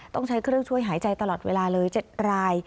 ต้องใช้เครื่องช่วยหายใจตลอดเวลาเลย๗ราย